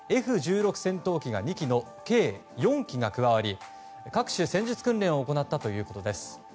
戦闘機が２機の計４機が加わり各種戦術訓練を行ったということです。